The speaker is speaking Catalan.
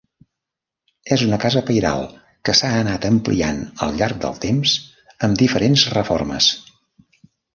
És una casa pairal que s'ha anat ampliant al llarg del temps amb diferents reformes.